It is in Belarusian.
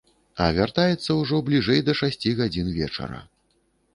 А вяртаецца ўжо бліжэй да шасці гадзін вечара.